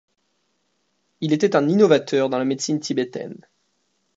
Il était un innovateur dans la médecine tibétaine.